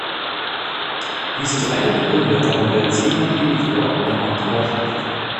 Dies ist einer der Gründe warum der zenon Editor am Markt heraussticht.